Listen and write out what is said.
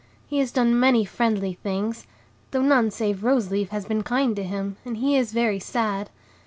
He has done many friendly things, though none save Rose Leaf has been kind to him, and he is very sad.